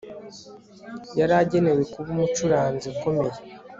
Yari agenewe kuba umucuranzi ukomeye